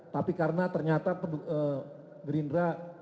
tapi karena ternyata gerindra